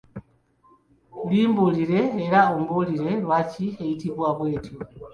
Limbuulire era ombuulire lwaki eyitibwa bw’etyo?